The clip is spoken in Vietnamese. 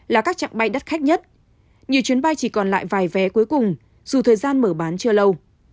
là các trạng bay đắt khách nhất nhiều chuyến bay chỉ còn lại vài vé cuối cùng dù thời gian mở bán chưa lâu